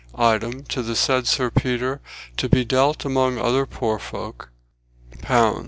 "Item, to the said Sir Peter, to be delt amang uther puire folk j cli.